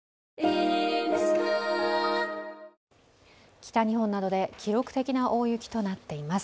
北日本などで記録的な大雪となっています。